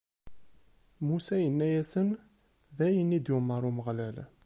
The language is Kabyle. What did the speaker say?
Musa yenna-asen: D ayen i d-yumeṛ Umeɣlal.